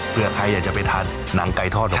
เพื่อใครอยากจะไปทานหนังไก่ทอดหน่อย